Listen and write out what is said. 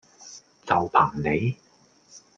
就憑你?